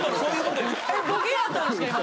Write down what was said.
あれボケやったんですか？